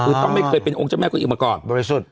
หรือต้องไม่เคยเป็นองค์เจ้าแม่คนอีกมาก่อนโดยสุด